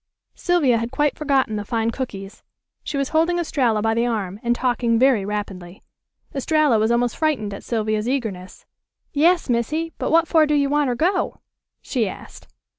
Sylvia had quite forgotten the fine cookies. She was holding Estralla by the arm, and talking very rapidly. Estralla was almost frightened at Sylvia's eagerness. "Yas, Missy; but what for do you wanter go?" she asked.